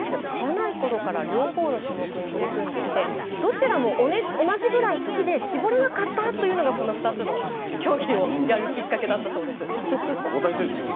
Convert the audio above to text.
幼いころから両方の種目に取り組んでいてどちらも同じぐらい好きで絞れなかったというのがこの２つの競技をやるきっかけだったそうです。